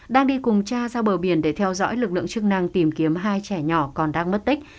đang đi cùng cha ra bờ biển để theo dõi lực lượng chức năng tìm kiếm hai trẻ nhỏ còn đang mất tích